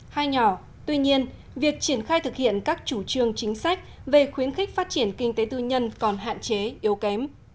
hai nhỏ tuy nhiên việc triển khai thực hiện các chủ trương chính sách về khuyến khích phát triển kinh tế tư nhân còn hạn chế yếu kém